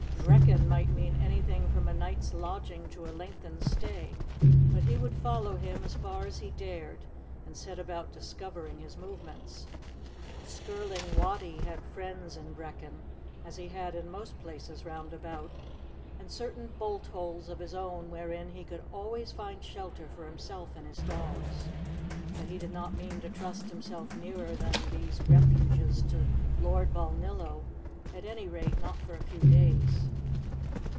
"Brechin" might mean anything from a night's lodging to a lengthened stay, but he would follow him as far as he dared and set about discovering his movements. Skirling Wattie had friends in Brechin, as he had in most places round about, and certain bolt holes of his own wherein he could always find shelter for himself and his dogs; but he did not mean to trust himself nearer than these refuges to Lord Balnillo, at any rate, not for a few days.